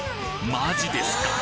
マジですか？